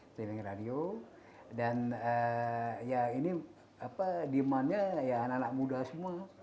streaming radio dan ya ini demandnya ya anak anak muda semua